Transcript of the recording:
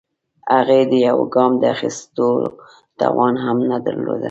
هغې د يوه ګام د اخيستو توان هم نه درلوده.